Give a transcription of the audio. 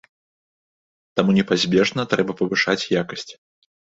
Таму непазбежна трэба павышаць якасць.